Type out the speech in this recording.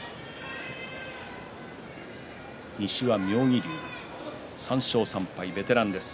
西は妙義龍、３勝３敗ベテランです